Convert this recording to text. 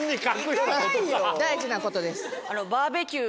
大事なことです。